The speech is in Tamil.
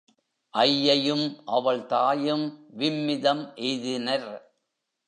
ஐயையும் அவள் தாயும் விம்மிதம் எய்தினர்.